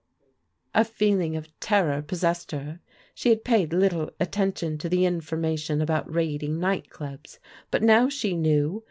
A feeling of terror possessed her. She had paid little attention to the information about raiding night dobs, but now she knew.